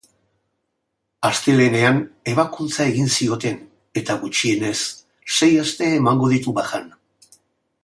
Astelehenean ebakuntza egin zioten eta gutxienez sei aste emango ditu bajan.